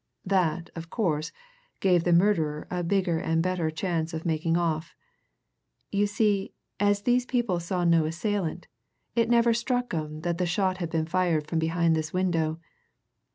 That, of course, gave the murderer a bigger and better chance of making off. You see, as these people saw no assailant, it never struck 'em that the shot had been fired from behind this window.